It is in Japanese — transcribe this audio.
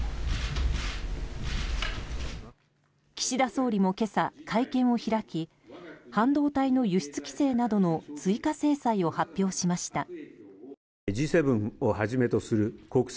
岸田総理も今朝、会見を開き半導体の輸出規制などの追加制裁を発表しました。